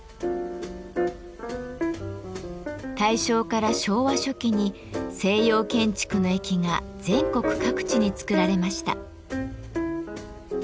大正から昭和初期に西洋建築の駅が全国各地に造られました。